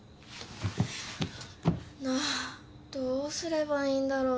なあどうすればいいんだろう？